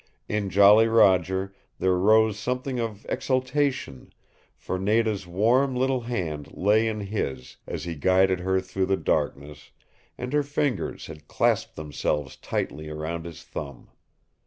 In Jolly Roger there rose something of exultation, for Nada's warm little hand lay in his as he guided her through the darkness, and her fingers had clasped themselves tightly round his thumb.